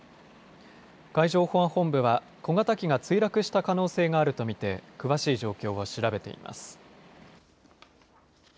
海上保安本部は小型機が墜落した可能性があるとみて詳しい状況を調べています。